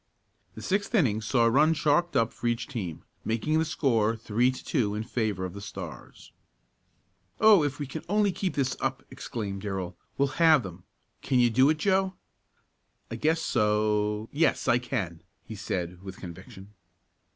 The sixth inning saw a run chalked up for each team, making the score three to two in favor of the Stars. "Oh, if we can only keep this up!" exclaimed Darrell, "we'll have them. Can you do it, Joe?" "I guess so yes, I can!" he said with conviction.